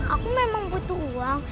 aku memang butuh uang